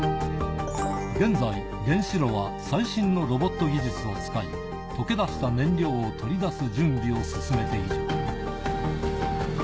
現在原子炉は最新のロボット技術を使い溶け出した燃料を取り出す準備を進めている。